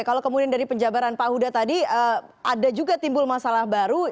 kalau kemudian dari penjabaran pak huda tadi ada juga timbul masalah baru